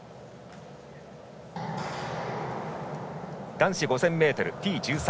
男子５０００ｍ、Ｔ１３